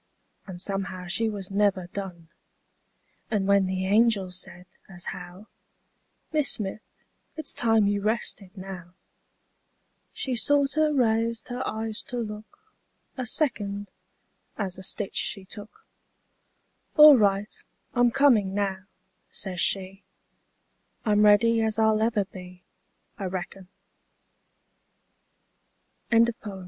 An' somehow she was never done; An' when the angel said, as how " Mis' Smith, it's time you rested now," She sorter raised her eyes to look A second, as a^ stitch she took; All right, I'm comin' now," says she, I'm ready as I'll ever be, I reckon," Albert Bigelow Paine.